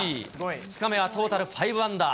２日目はトータル５アンダー。